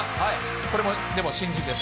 これでも新人です。